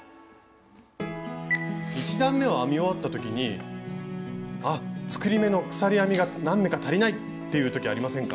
１段めを編み終わった時に「あっ作り目の鎖編みが何目か足りない！」っていう時ありませんか？